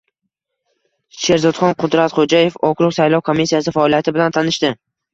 Sherzodxon Qudratxo‘jayev okrug saylov komissiyasi faoliyati bilan tanishdi